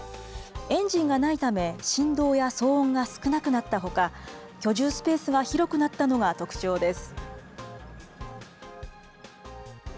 エンジンがないため、振動や騒音が少なくなったほか、居住スペースが広くなったのが特徴です。